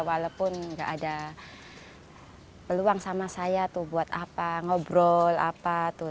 walaupun nggak ada peluang sama saya tuh buat apa ngobrol apa tuh